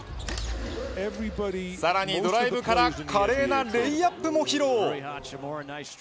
さらにドライブから華麗なレイアップも披露。